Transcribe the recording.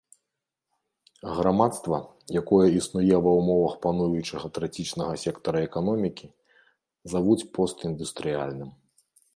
Грамадства, якое існуе ва ўмовах пануючага трацічнага сектара эканомікі, завуць постіндустрыяльным.